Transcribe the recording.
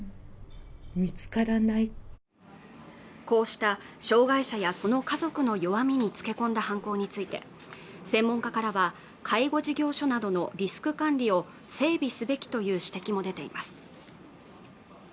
こうした障害者やその家族の弱みにつけ込んだ犯行について専門家からは介護事業所などのリスク管理を整備すべきという指摘も出ています